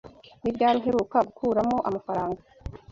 Ni ryari uheruka gukuramo amafaranga?